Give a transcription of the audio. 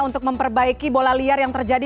untuk memperbaiki bola liar yang terjadi